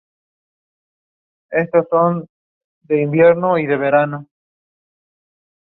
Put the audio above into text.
Más tarde se unió al grupo el saxofonista Davey Payne.